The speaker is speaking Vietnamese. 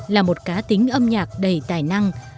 là một cá tính âm nhạc đầy tài năng